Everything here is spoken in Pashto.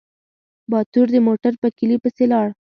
باتور د موټر په کيلي پسې لاړ.